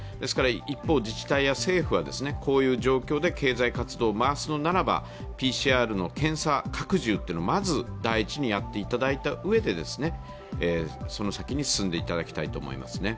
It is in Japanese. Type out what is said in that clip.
一方、自治体や政府はこういう状況で経済活動を回すのならばＰＣＲの検査拡充をまず第一にやっていただいたうえでその先に進んでいただきたいと思いますね。